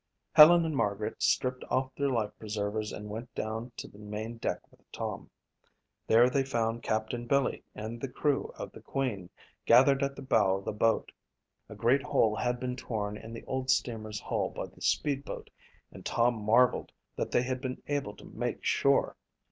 Helen and Margaret stripped off their life preservers and went down to the main deck with Tom. There they found Captain Billy and the crew of the Queen gathered at the bow of the boat. A great hole had been torn in the old steamer's hull by the speed boat and Tom marveled that they had been able to make shore.